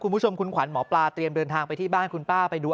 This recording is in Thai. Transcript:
คุณผู้ชมคุณขวัญหมอปลาเตรียมเดินทางไปที่บ้านคุณป้าไปดู